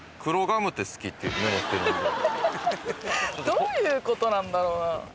どういうことなんだろうな。